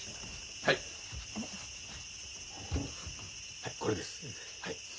はいこれです。